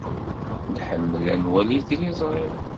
Nḥemmel ad nwali tiliẓri.